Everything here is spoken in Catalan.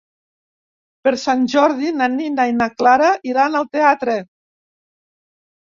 Per Sant Jordi na Nina i na Clara iran al teatre.